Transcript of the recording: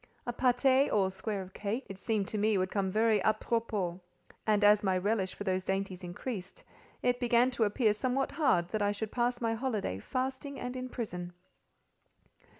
A pâté, or a square of cake, it seemed to me would come very àpropos; and as my relish for those dainties increased, it began to appear somewhat hard that I should pass my holiday, fasting and in prison.